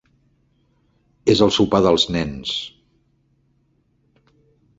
"És el sopar dels nens."